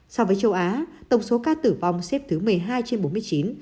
so với châu á tổng số ca tử vong xếp thứ một mươi hai trên bốn mươi chín